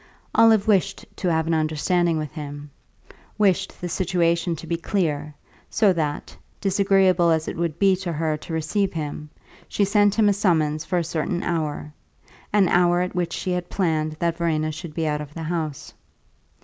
Olive wished to have an understanding with him; wished the situation to be clear, so that, disagreeable as it would be to her to receive him, she sent him a summons for a certain hour an hour at which she had planned that Verena should be out of the house.